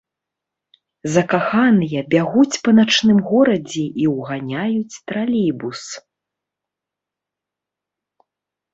Закаханыя бягуць па начным горадзе і ўганяюць тралейбус.